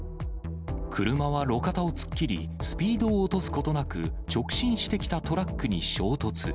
車は路肩を突っ切り、スピードを落とすことなく、直進してきたトラックに衝突。